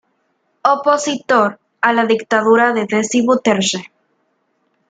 Opositor a la dictadura de Desi Bouterse.